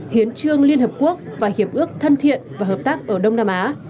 hiến trương liên hợp quốc và hiệp ước thân thiện và hợp tác ở đông nam á